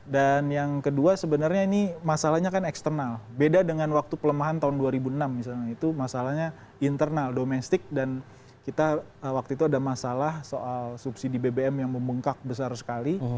dan yang kedua sebenarnya ini masalahnya kan eksternal beda dengan waktu pelemahan tahun dua ribu enam misalnya itu masalahnya internal domestik dan kita waktu itu ada masalah soal subsidi bbm yang membengkak besar sekali